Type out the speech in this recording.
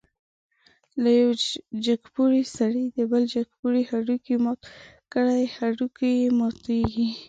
که یو جګپوړی سړی د بل جګپوړي هډوکی مات کړي، هډوکی یې ماتېږي.